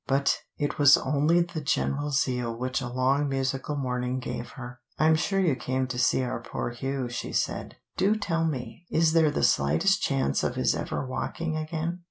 But it was only the general zeal which a long musical morning gave her. "I'm sure you came to see our poor Hugh," she said. "Do tell me, is there the slightest chance of his ever walking again?"